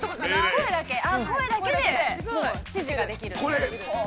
◆声だけで指示ができる。